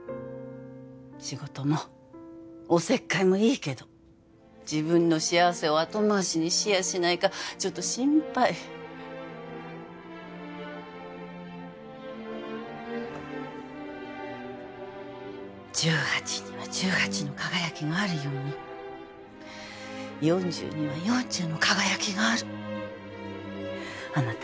仕事もおせっかいもいいけど自分の幸せを後回しにしやしないかちょっと心配１８には１８の輝きがあるように４０には４０の輝きがあるあなた